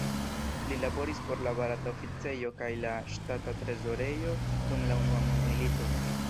Li laboris por la Barata Oficejo kaj la Ŝtata Trezorejo dum la Unua Mondmilito.